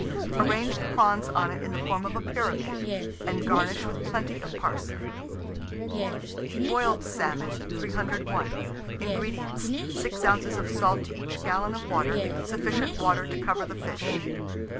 Arrange the prawns on it in the form of a pyramid, and garnish with plenty of parsley. BOILED SALMON. 301. INGREDIENTS. 6 oz. of salt to each gallon of water, sufficient water to cover the fish.